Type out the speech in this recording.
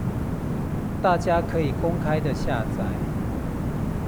大家可以公開的下載